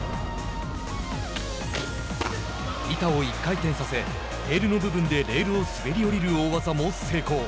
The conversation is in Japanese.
板を１回転させテールの部分でレールを滑り降りる大技も成功。